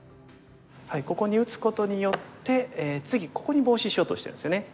ここに打つことによって次ここにボウシしようとしてるんですよね。